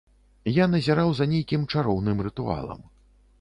Я назіраў за нейкім чароўным рытуалам.